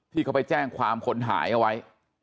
ที่เขาไปแจ้งความคนหายเอาไว้